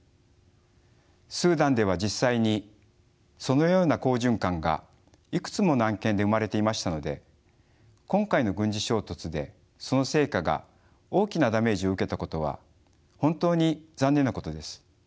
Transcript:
スーダンでは実際にそのような好循環がいくつもの案件で生まれていましたので今回の軍事衝突でその成果が大きなダメージを受けたことは本当に残念なことです。